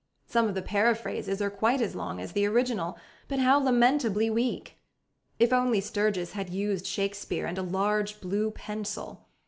Some of the paraphrases are quite as long as the original, but how lamentably weak! If only Sturgis had used Shakespeare and a large blue pencil!